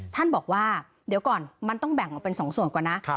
ท่านบอกว่าเดี๋ยวก่อนมันต้องแบ่งออกเป็น๒ส่วนก่อนนะ